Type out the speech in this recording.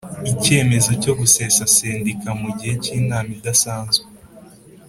Icyemezo cyo gusesa Sendika mugihe cy’inama idasanzwe